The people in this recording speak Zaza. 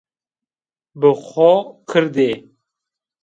Bi xo kird ê